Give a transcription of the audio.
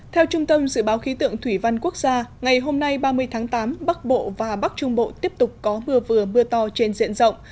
theo trung tâm dự báo khí tượng thủy văn quốc gia ngày hôm nay ba mươi tháng tám bắc bộ và bắc trung bộ tiếp tục có mưa vừa mưa to trên diện rộng